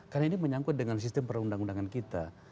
karena ini menyangkut dengan sistem perundang undangan kita